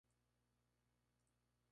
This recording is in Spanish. Es hija del luchador János Varga.